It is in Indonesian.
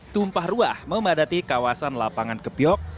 tumpah ruah memadati kawasan lapangan kepiok